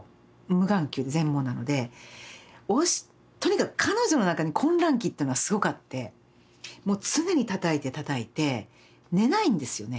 無眼球全盲なのでとにかく彼女の中に混乱期っていうのはすごくあってもう常にたたいてたたいて寝ないんですよね。